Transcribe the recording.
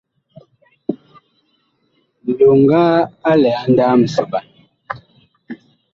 Nloŋga a lɛ a ndaaa misoɓan.